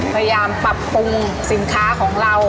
พยายามปรับปรุงสินค้าของเรา